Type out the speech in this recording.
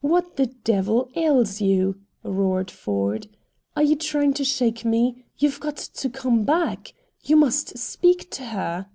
"What the devil ails you?" roared Ford. "Are you trying to shake me? You've got to come back. You must speak to her."